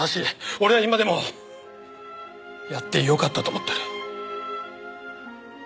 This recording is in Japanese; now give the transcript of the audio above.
俺は今でもやってよかったと思ってる。